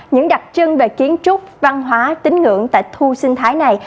những đặc trưng về kiến trúc văn hóa tính ngưỡng tại thu sinh thái này